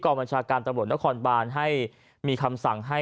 การประบบการณ์มันจะหมดตะบ่นให้มีคำสั่งให้